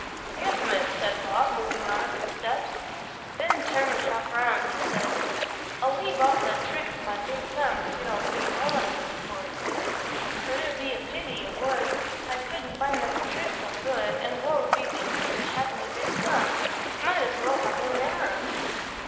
"Yes, Miss," said Bob, moving on a few steps; then turning half round he said, "I'll leave off that trick wi' my big thumb, if you don't think well on me for it, Miss; but it 'ud be a pity, it would. I couldn't find another trick so good,—an' what 'ud be the use o' havin' a big thumb? It might as well ha' been narrow."